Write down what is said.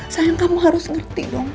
sayang kamu harus ngerti dong